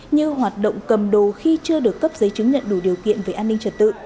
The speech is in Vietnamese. như hoạt động cầm đồ khi chưa được cấp giấy chứng nhận đủ điều kiện về an ninh trật tự